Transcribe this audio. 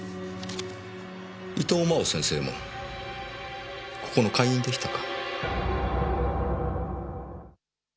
伊藤真央先生もここの会員でしたか。